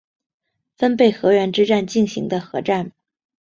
分倍河原之战进行的合战。